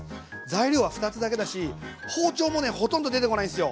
材料は２つだけだし包丁もねほとんど出てこないんすよ！